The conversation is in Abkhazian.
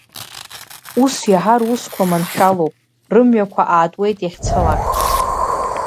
Ус иаҳа русқәа маншәалоуп, рымҩақәа аатуеит иахьцалак.